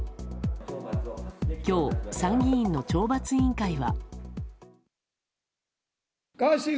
今日、参議院の懲罰委員会は。